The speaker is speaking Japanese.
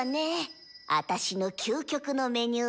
アタシの「究極のメニュー」